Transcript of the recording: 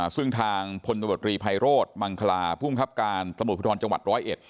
ซึ่งทางผลบัตรีไพโรธมังคลาภูมิคับการสมุทรพิธรรมจังหวัด๑๐๑